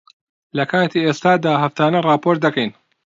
لەکاتی ئێستادا، هەفتانە ڕاپۆرت دەکەین.